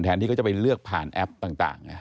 ที่เขาจะไปเลือกผ่านแอปต่าง